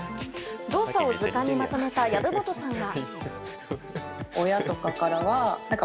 動作を図鑑にまとめた藪本さんは。